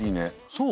そう？